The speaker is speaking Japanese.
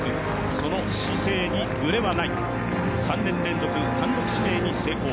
その姿勢にぶれはない、３年連続単独指名に成功。